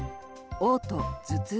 おう吐・頭痛。